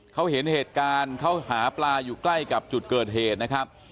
เขาเห็นเหตุการณ์เขาหาปลาอยู่ใกล้กับจุดเกิดเหตุนะครับ